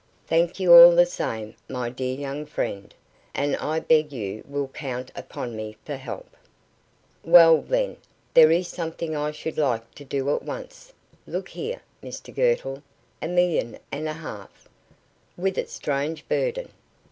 Thank you all the same, my dear young friend, and I beg you will count upon me for help." "Well, then, there is something I should like to do at once. Look here, Mr Girtle a million and a half " "With its strange burden."